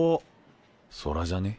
空じゃねぇ？